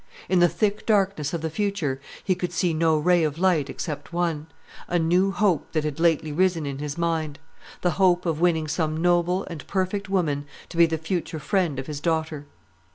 In the thick darkness of the future he could see no ray of light, except one, a new hope that had lately risen in his mind; the hope of winning some noble and perfect woman to be the future friend of his daughter.